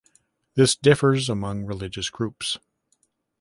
This differs among religious groups.